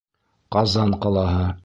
Ҡазан ҡалаһы!..